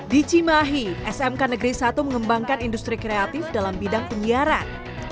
di cimahi smk negeri satu mengembangkan industri kreatif dalam bidang penyiaran